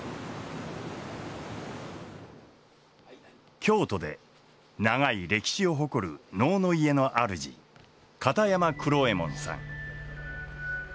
京都で長い歴史を誇る能の家の主片山九郎右衛門さん。